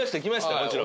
もちろん。